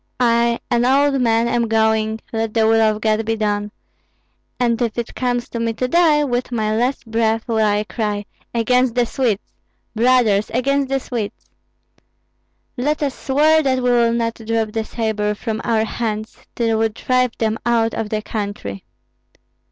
I, an old man, am going, let the will of God be done; and if it comes to me to die, with my last breath will I cry, 'Against the Swedes! brothers, against the Swedes!' Let us swear that we will not drop the sabre from our hands till we drive them out of the country."